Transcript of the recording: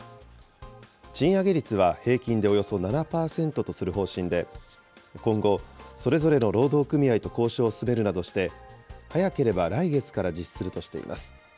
賃上げ率は平均でおよそ７％とする方針で、今後、それぞれの労働組合と交渉を進めるなどして、早ければ来月から実施するとしています。